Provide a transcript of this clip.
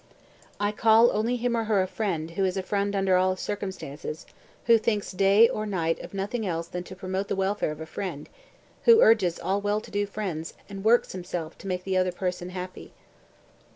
199. "I call only him or her a friend who is a friend under all circumstances, who thinks day or night of nothing else than to promote the welfare of a friend, who urges all well to do friends and works himself to make the other person happy."